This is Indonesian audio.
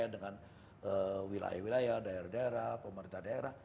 dengan wilayah wilayah daerah daerah pemerintah daerah